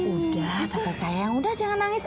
udah tapi sayang udah jangan nangis